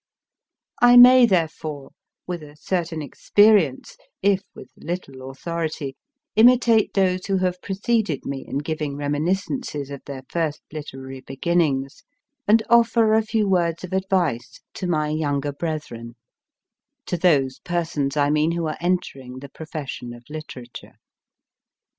I may, therefore, with a certain experience, if with little authority, imitate those who have preceded me in giving reminiscences of their first literary beginnings, and offer a few words of advice to my younger 294 MY FIKST BOOK brethren to those persons, I mean, who are entering the profession of Literature.